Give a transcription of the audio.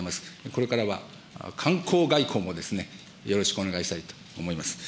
これからは観光外交もよろしくお願いしたいと思います。